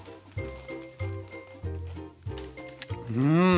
うん。